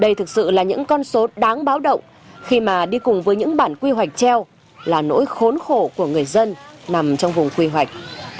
đây thực sự là những con số đáng báo động khi mà đi cùng với những bản quy hoạch treo là nỗi khốn khổ của người dân nằm trong vùng quy hoạch